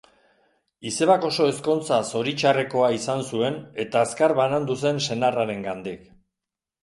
Izebak oso ezkontza zoritxarrekoa izan zuen eta azkar banandu zen senarrarengandik.